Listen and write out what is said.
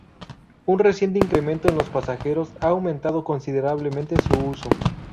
Un reciente incremento en los pasajeros ha aumentado considerablemente su uso.